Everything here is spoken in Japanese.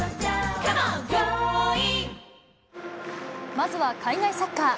まずは海外サッカー。